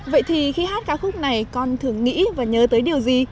vậy thì khi hát ca khúc này con thường nghĩ và nhớ tới điều gì